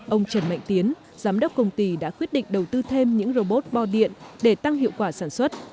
ông trần mạnh tiến giám đốc công ty đã quyết định đầu tư thêm những robot bo điện để tăng hiệu quả sản xuất